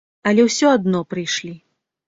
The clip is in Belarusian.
Але ўсё адно прыйшлі.